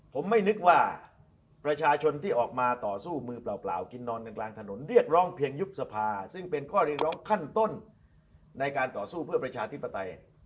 ผมไม่นึกว่าประชาชนที่ออกมาต่อสู้มือเปล่ากินนอนกันกลางถนนเรียกร้องเพียงยุบสภาซึ่งเป็นข้อเรียกร้องขั้นต้นในการต่อสู้เพื่อประชาธิปไตย